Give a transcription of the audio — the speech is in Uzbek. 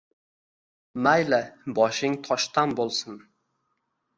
Mayli boshing toshdan bo‘lsin!